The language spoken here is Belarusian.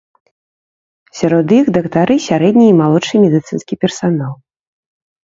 Сярод іх дактары, сярэдні і малодшы медыцынскі персанал.